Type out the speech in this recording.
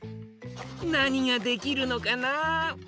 なにができるのかな？